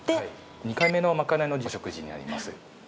２回目のまかないの食事になります。